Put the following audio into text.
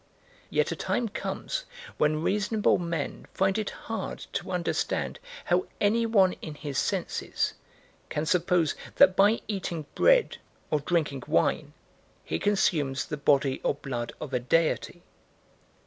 Yet a time comes when reasonable men find it hard to understand how any one in his senses can suppose that by eating bread or drinking wine he consumes the body or blood of a deity.